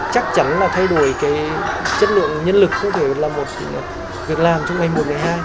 chắc chắn là thay đổi cái chất lượng nhân lực không thể là một việc làm trong ngày một mươi hai